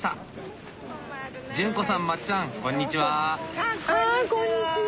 あこんにちは。